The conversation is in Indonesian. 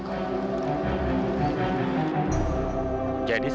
aku mau datang